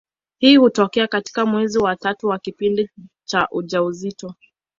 Hii hutokea katika mwezi wa tatu wa kipindi cha ujauzito.